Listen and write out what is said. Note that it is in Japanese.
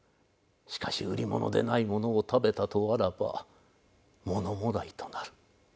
しかし売り物でないものを食べたとあらば物もらいとなる。